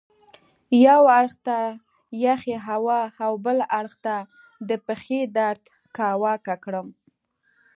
یوه اړخ ته یخې هوا او بل اړخ ته د پښې درد کاواکه کړم.